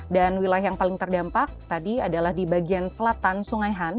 dan wilayah yang paling terdampak tadi adalah di bagian selatan sungai han